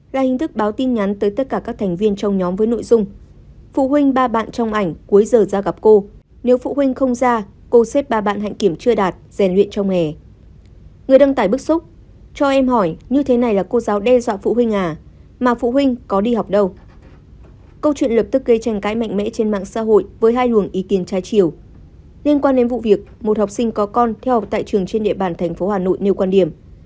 liên quan đến vụ việc một học sinh có con theo học tại trường trên địa bàn tp hà nội nêu quan điểm